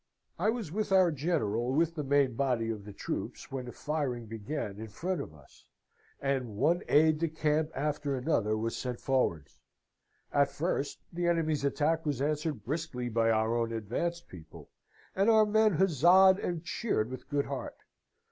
"I was with our General with the main body of the troops when the firing began in front of us, and one aide de camp after another was sent forwards. At first the enemy's attack was answered briskly by our own advanced people, and our men huzzaed and cheered with good heart.